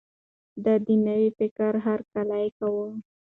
ده د نوي فکر هرکلی کاوه.